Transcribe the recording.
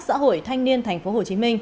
xã hội thanh niên tp hcm